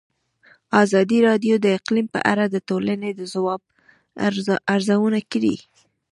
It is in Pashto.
ازادي راډیو د اقلیم په اړه د ټولنې د ځواب ارزونه کړې.